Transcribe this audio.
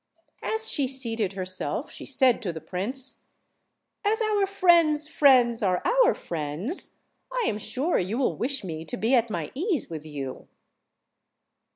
As she seated herself she said to the prince, "As our friends' friends are our friends, I am sure you will wish me to be at my ease with you."